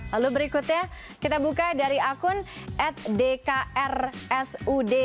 lalu berikutnya kita buka dari akun at dkrsud